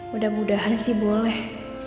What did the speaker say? mudah mudahan sih boleh